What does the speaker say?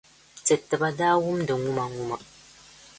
Ti tiba daa wum di ŋumaŋuma.